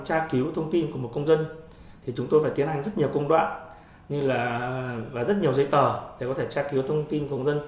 tra cứu thông tin của một công dân thì chúng tôi phải tiến hành rất nhiều công đoạn và rất nhiều giấy tờ để có thể tra cứu thông tin của một công dân